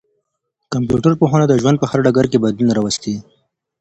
کمپيوټر پوهنه د ژوند په هر ډګر کي بدلون راوستی.